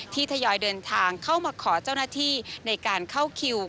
ทยอยเดินทางเข้ามาขอเจ้าหน้าที่ในการเข้าคิว